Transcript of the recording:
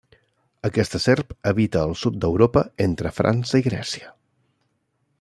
Aquesta serp habita al sud d'Europa entre França i Grècia.